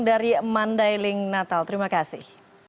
di mandeleng natal terima kasih